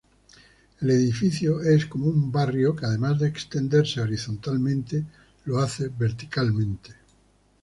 El edificio es como un barrio que además de extenderse horizontalmente, lo hace verticalmente.